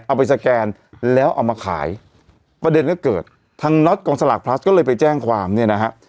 เอาไปสแกนแล้วเอามาขายประเด็นก็เกิดทางน็อตกองสลากพลัสก็เลยไปแจ้งความเนี่ยนะฮะ